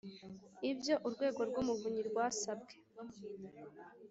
Ibyo Urwego rw’Umuvunyi rwasabwe